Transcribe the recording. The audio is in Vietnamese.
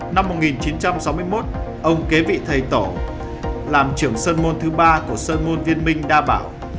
năm một nghìn chín trăm sáu mươi một ông kế vị thầy tổ làm trưởng sơn môn thứ ba của sơn môn viên minh đa bảo